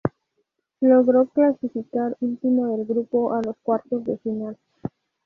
Logró clasificar último del grupo a los cuartos de final.